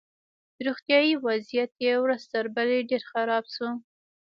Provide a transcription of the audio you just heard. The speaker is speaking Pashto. روغتیایي وضعیت یې ورځ تر بلې ډېر خراب شو